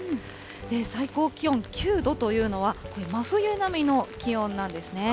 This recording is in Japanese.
最高気温９度というのは、これ真冬並みの気温なんですね。